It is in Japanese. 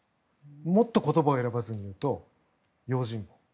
もっと言葉を選ばずに言うと用心棒。